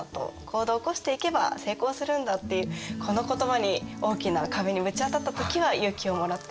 行動を起こしていけば成功するんだっていうこの言葉に大きな壁にぶち当たった時は勇気をもらってるんです。